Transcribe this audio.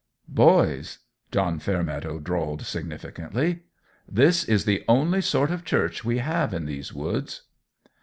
"Boys," John Fairmeadow drawled, significantly, "this is the only sort of church we have in these woods."